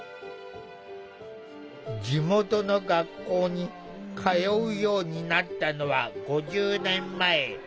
地元の学校に通うようになったのは５０年前。